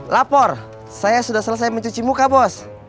lapor saya sudah selesai mencuci muka bos